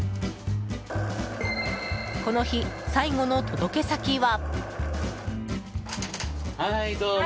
この日、最後の届け先は。